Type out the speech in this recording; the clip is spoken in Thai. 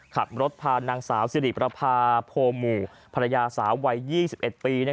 ขับรถพานางสาวสิริประพาโพหมู่ภรรยาสาววัย๒๑ปี